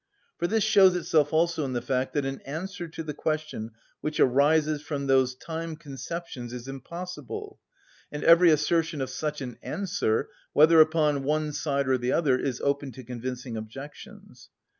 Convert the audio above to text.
For this shows itself also in the fact that an answer to the question which arises from those time‐conceptions is impossible, and every assertion of such an answer, whether upon one side or the other, is open to convincing objections.